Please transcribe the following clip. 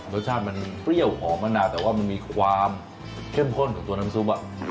รสชาติมันเปรี้ยวหอมมะนาวแต่ว่ามันมีความเข้มข้นกับตัวน้ำซุป